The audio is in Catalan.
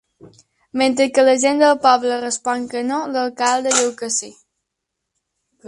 Mentre que la gent del poble respon que no, l'alcalde diu que sí.